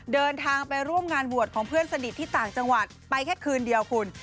เดินทางไปร่วมงานบวชของเพื่อนสนิทที่ต่างจังหวัดไปแค่คืนเดียวคุณ